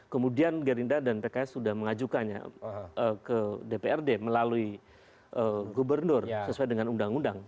kemudian gerindra dan pks sudah mengajukannya ke dprd melalui gubernur sesuai dengan undang undang